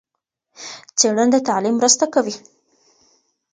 څېړنه د تعليم مرسته کوي.